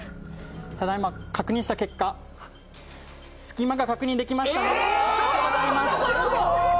ただいま確認した結果、隙間が確認できました。